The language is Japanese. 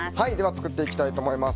作っていきたいと思います。